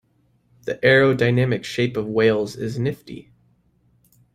The aerodynamic shape of whales is nifty.